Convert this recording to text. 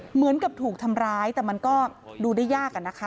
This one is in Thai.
เหมือนกับถูกทำร้ายแต่มันก็ดูได้ยากอะนะคะ